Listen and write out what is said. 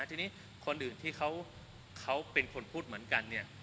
ทีนี้คนอื่นที่เขาเป็นคนพูดเหมือนกันเนี่ย